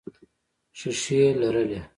ښیښې لرلې.